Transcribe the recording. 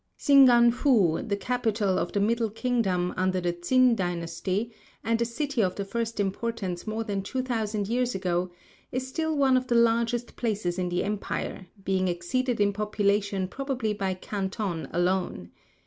Singan foo, the capital of the Middle Kingdom, under the Tsin dynasty, and a city of the first importance more than two thousand years ago, is still one of the largest places in the empire, being exceeded in population probably by Canton alone.